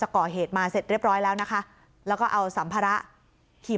ก่อเหตุมาเสร็จเรียบร้อยแล้วนะคะแล้วก็เอาสัมภาระขี่